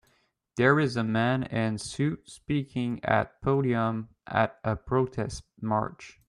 There is a man in suit speaking at a podium at a protest march.